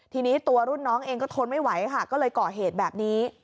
ทีนี้ตัวรุ่นน้องเองก็ทนไม่ไหวค่ะก็เลยก่อเหตุแบบนี้